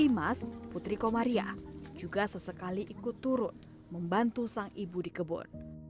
imas putri komariah juga sesekali ikut turun membantu sang ibu di kebun